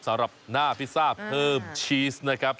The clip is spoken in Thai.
สำหรับหน้าพิซซ่าเพิ่มชีสนะครับ